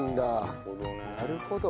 なるほど。